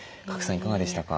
いかがでしたか？